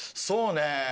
そうね